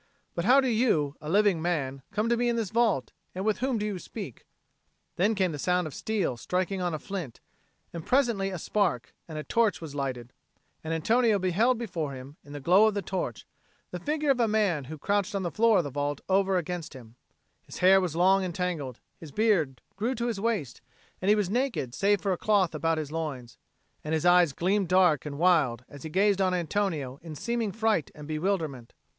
But how do you, a living man, come to be in this vault, and with whom do you speak?" Then came the sound of steel striking on a flint, and presently a spark, and a torch was lighted; and Antonio beheld before him, in the glow of the torch, the figure of a man who crouched on the floor of the vault over against him; his hair was long and tangled, his beard grew to his waist, and he was naked save for a cloth about his loins; and his eyes gleamed dark and wild as he gazed on Antonio in seeming fright and bewilderment.